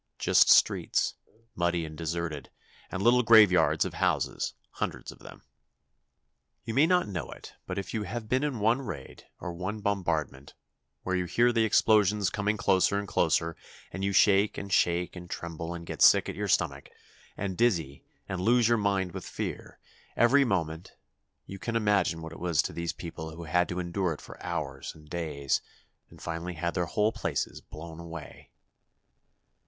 Just streets, muddy and deserted, and little graveyards of houses, hundreds of them. You may not know it, but if you have been in one raid, or one bombardment, where you hear the explosions coming closer and closer, and you shake and shake and tremble and get sick at your stomach, and dizzy, and lose your mind with fear, every moment, you can imagine what it was to these people who had to endure it for hours and days, and finally had their whole places blown away.